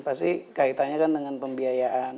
pasti kaitannya kan dengan pembiayaan